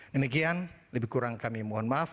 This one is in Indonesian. demikian lebih kurang kami mohon maaf